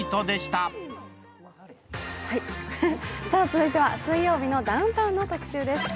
続いては「水曜日のダウンタウン」の特集です。